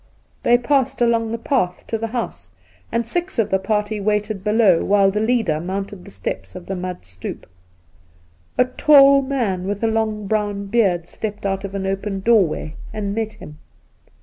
They passed along the path to the house, and six of the party waited below while the leader mounted the steps of the mud stoep. A tall man with a long brown beard stepped out of an open doorway and met him.